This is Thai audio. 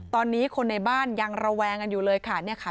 ตอนนี้คนในบ้านยังระแวงกันอยู่เลยค่ะ